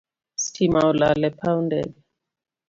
Stima olal e paw ndege